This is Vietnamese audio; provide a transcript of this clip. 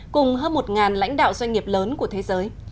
cùng hơn một lãnh đạo doanh nghiệp lớn của thế giới